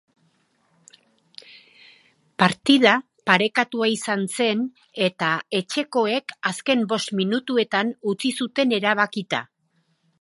Partida parekatua izan zen eta etxekoek azken bost minutuetan utzi zuten erabakita.